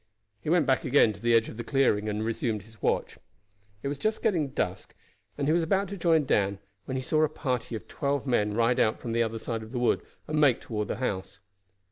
He went back again to the edge of the clearing and resumed his watch. It was just getting dusk, and he was about to join Dan when he saw a party of twelve men ride out from the other side of the wood and make toward the house.